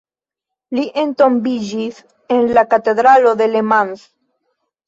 Li entombiĝis en la katedralo de Le Mans.